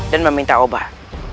dan meminta obat